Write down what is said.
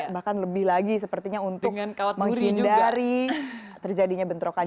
bahkan lebih lagi sepertinya untuk menghindari terjadinya bentrokan